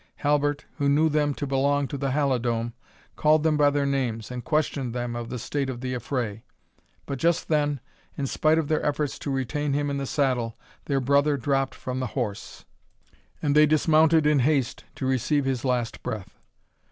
Halbert, who knew them to belong to the Halidome, called them by their names, and questioned them of the state of the affray; but just then, in spite of their efforts to retain him in the saddle, their brother dropped from the horse, and they dismounted in haste to receive his last breath.